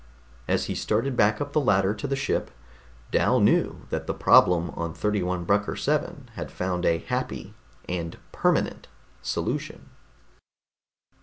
As he started back up the ladder to the ship, Dal knew that the problem on 31 Brucker VII had found a happy and permanent solution.